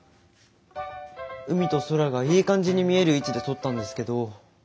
海と空がいい感じに見える位置で撮ったんですけど。